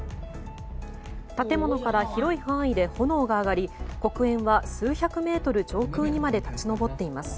建物から広い範囲で炎が上がり黒煙は数百メートル上空にまで立ち上っています。